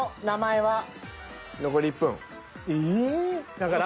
だから。